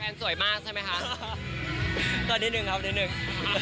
แฟนสวยมากใช่มั้ยคะก็นิดนึงครับนิดหนึ่ง